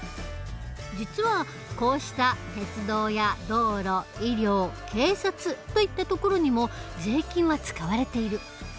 実はこうした鉄道や道路医療警察といったところにも税金は使われている。